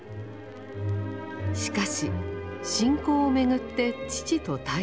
しかし信仰を巡って父と対立。